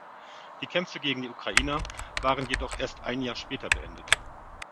Die Kämpfe gegen die Ukrainer waren jedoch erst ein Jahr später beendet.